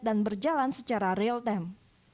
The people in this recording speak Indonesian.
dan berjalan secara real time